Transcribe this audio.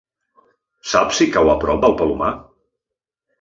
Saps si cau a prop del Palomar?